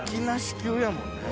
急やもんね。